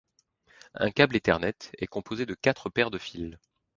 Un câble Ethernet est composé de quatre paires de fils.